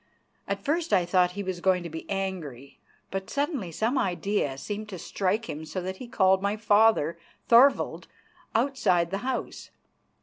At first I thought that he was going to be angry, but suddenly some idea seemed to strike him so that he called my father, Thorvald, outside the house.